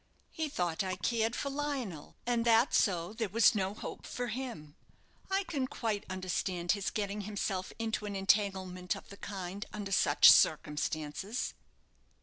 He thought I cared for Lionel, and that so there was no hope for him. I can quite understand his getting himself into an entanglement of the kind, under such circumstances."